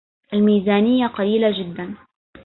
الميزانية قليلة جدا.